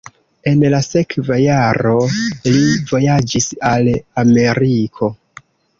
En la sekva jaro li vojaĝis al Ameriko.